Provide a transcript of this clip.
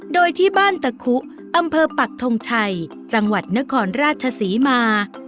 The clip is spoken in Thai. โดยที่บ้านตะคุอำเภอปักทงชัยจังหวัดนครราชศรีมา